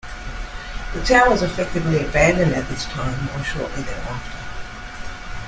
The town was effectively abandoned at this time or shortly thereafter.